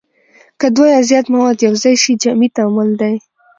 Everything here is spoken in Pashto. که دوه یا زیات مواد یو ځای شي جمعي تعامل دی.